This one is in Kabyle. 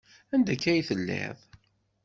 Anda akka ay telliḍ?